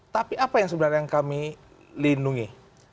tapi apa yang sebenarnya yang kami lindungi